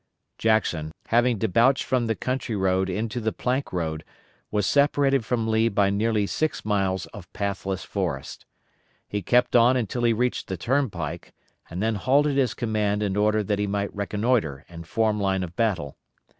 Jackson, having debouched from the country road into the plank road, was separated from Lee by nearly six miles of pathless forest. He kept on until he reached the turnpike, and then halted his command in order that he might reconnoitre and form line of battle.